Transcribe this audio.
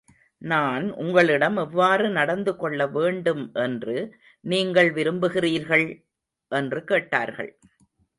நான் உங்களிடம் எவ்வாறு நடந்து கொள்ள வேண்டும் என்று நீங்கள் விரும்புகிறீர்கள்? என்று கேட்டார்கள்.